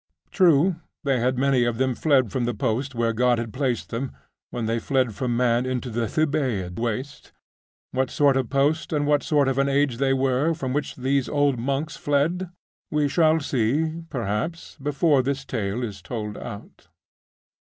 True, they had many of them fled from the post where God had placed them, when they fled from man into the Thebaid waste.... What sort of post and what sort of an age they were, from which those old monks fled, we shall see, perhaps, before this tale is told out.